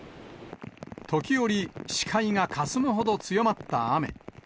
時折、視界がかすむほど強まった雨。